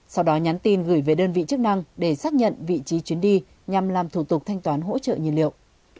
sau đó nhắn tin gửi về đơn vị chức năng để xác nhận vị trí chuyến đi nhằm làm thủ tục thanh toán hỗ trợ nhiên liệu